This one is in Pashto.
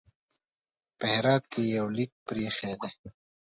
په هرات کې یو لیک پرې ایښی دی.